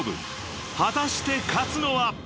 ［果たして勝つのは？］